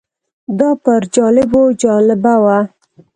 دا پر جالبو جالبه وه.